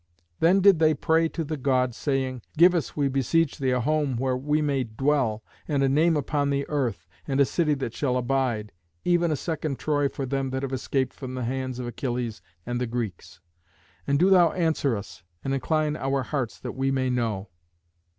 Then did they pray to the god, saying, "Give us, we beseech thee, a home where we may dwell, and a name upon the earth, and a city that shall abide, even a second Troy for them that have escaped from the hands of Achilles and the Greeks. And do thou answer us, and incline our hearts that we may know."